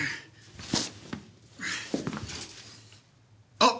あっ！